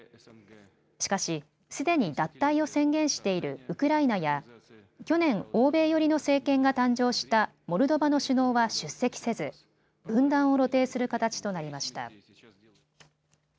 しかし、すでに脱退を宣言しているウクライナや去年、欧米寄りの政権が誕生したモルドバの首脳は出席せず分断を露呈する形となりました。